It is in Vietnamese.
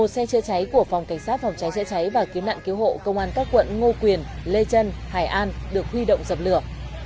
một xe chữa cháy của phòng cảnh sát phòng cháy chữa cháy và cứu nạn cứu hộ công an các quận ngô quyền lê trân hải an được huy động dập lửa